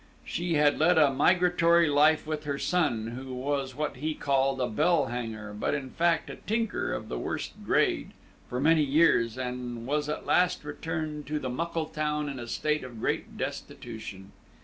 She had led a migratory life with her son who was what he called a bell hanger, but in fact a tinker of the worst grade for many years, and was at last returned to the muckle town in a state of great destitution.